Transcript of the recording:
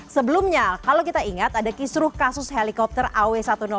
sebelumnya kalau kita ingat ada kisruh kasus helikopter aw satu ratus dua